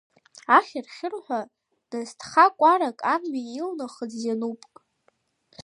Ахьыр-хьырҳәа насҭха кәарак амҩа илнахыз иануп.